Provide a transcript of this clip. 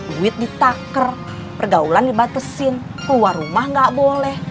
duit ditaker pergaulan dibatesin keluar rumah nggak boleh